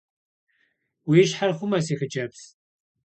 Уи щхьэр хъумэ, си хъыджэбз.